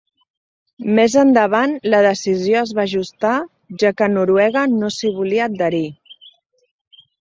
Més endavant, la decisió es va ajustar ja que Noruega no s'hi volia adherir.